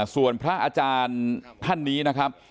ส่วนพระอาจารย์ท่านนี้นะครับ